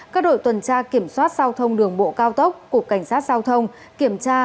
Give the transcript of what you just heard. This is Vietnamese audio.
các đội tuần tra kiểm soát giao thông đường bộ cao tốc cục cảnh sát giao thông kiểm tra